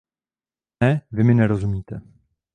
Ne, vy mi nerozumíte.